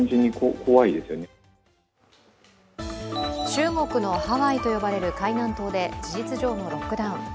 中国のハワイと呼ばれる海南島で事実上のロックダウン。